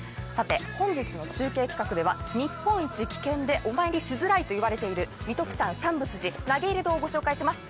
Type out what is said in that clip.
本日の中継企画では日本一危険でお参りしづらいといわれている三徳山三佛寺投入堂を御紹介します。